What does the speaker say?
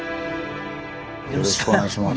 よろしくお願いします。